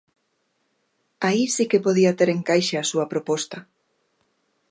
Aí si que podía ter encaixe a súa proposta.